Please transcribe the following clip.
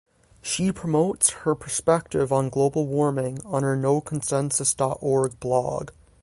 She promotes her perspective on Global warming on her noconsensus dot org blog.